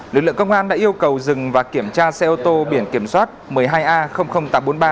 lực lượng công an đã yêu cầu dừng và kiểm tra xe ô tô biển kiểm soát một mươi hai a tám trăm bốn mươi ba